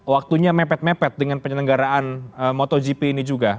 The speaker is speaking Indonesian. waktunya mepet mepet dengan penyelenggaraan motogp ini juga